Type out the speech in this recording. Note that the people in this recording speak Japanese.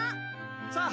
さあ